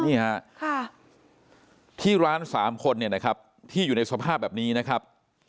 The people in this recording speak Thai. นี่ฮะที่ร้าน๓คนเนี่ยนะครับที่อยู่ในสภาพแบบนี้นะครับ